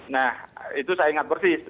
nah itu saya ingat persis